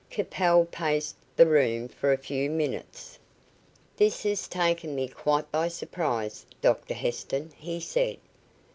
Capel paced the room for a few minutes. "This has taken me quite by surprise, Doctor Heston," he said.